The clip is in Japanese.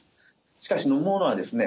しかし飲むものはですね